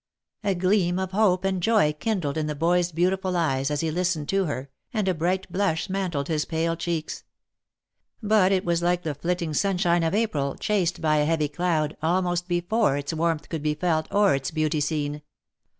A gleam of hope and joy kindled in the boy's beautiful eyes as he listened to her, and a bright blush mantled his pale cheeks ; but it was like the flitting sunshine of April chased by a heavy cloud almost be fore its warmth could be felt or its beauty seen.